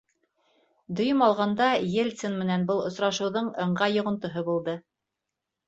Дөйөм алғанда, Ельцин менән был осрашыуҙың ыңғай йоғонтоһо булды.